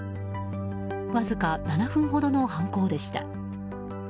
わずか７分ほどの犯行でした。